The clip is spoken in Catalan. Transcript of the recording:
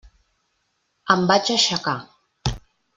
Em vaig aixecar.